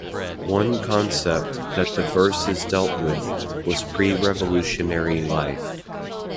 One concept that the verses dealt with was pre-revolutionary life.